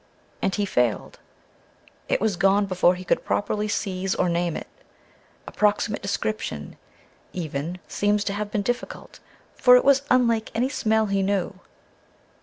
And he failed. It was gone before he could properly seize or name it. Approximate description, even, seems to have been difficult, for it was unlike any smell he knew.